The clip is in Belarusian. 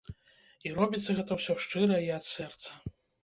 І робіцца гэта ўсё шчыра і ад сэрца.